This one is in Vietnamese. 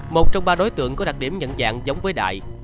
một trong ba đối tượng có đặc điểm nhận dạng giống với đại